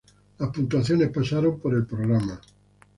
Las puntuaciones pasaron por el programa.